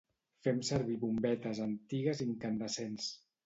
Fem servir bombetes antigues incandescents.